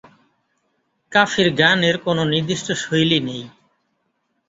কাফির গানের কোনও নির্দিষ্ট শৈলী নেই।